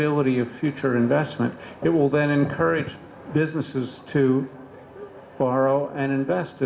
ini akan membuat bisnis memutuskan untuk membeli dan membeli di negara